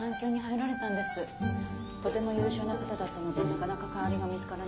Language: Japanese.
とても優秀な方だったのでなかなか代わりが見つからなくて。